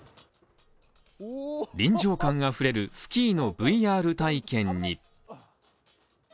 臨場感あふれるスキーのＶＲ体験に。